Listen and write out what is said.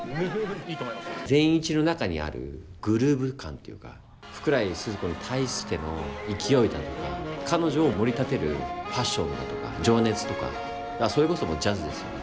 善一の中にあるグルーヴ感というか福来スズ子に対しての勢いだとか彼女をもり立てるパッションだとか情熱とかそれこそジャズですよね